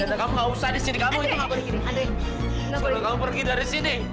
andri kamu mau pergi dari sini